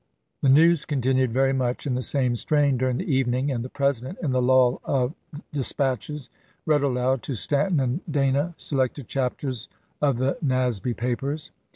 The news continued very much in the same strain during the evening, and the President, in the lull of dispatches, read aloud to Stanton and Dana selected chapters of the Nasby papers.